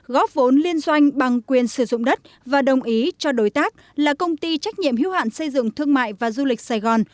góp vốn liên doanh bằng quyền sử dụng đất và đồng ý cho đối tác là công ty trách nhiệm hiếu hạn xây dựng thương mại và du lịch sài gòn